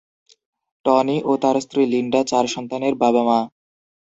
Tony ও তার স্ত্রী লিন্ডা চার সন্তানের বাবা-মা।